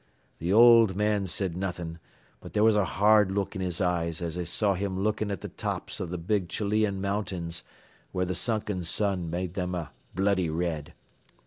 Th' old man said nothin', but there ware a hard look in his eyes as I saw him lookin' at th' tops av th' big Chilean mountings where th' sunken sun made them a bloody red.